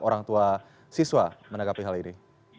orang tua siswa menanggapi hal ini